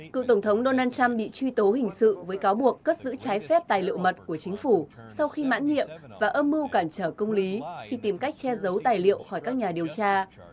cựu tổng thống donald trump bị truy tố hình sự với cáo buộc cất giữ trái phép tài liệu mật của chính phủ sau khi mãn nhiệm và âm mưu cản trở công lý khi tìm cách che giấu tài liệu khỏi các nhà điều tra